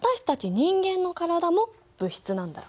人間の体も物質なんだよ。